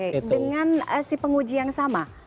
oke dengan si penguji yang sama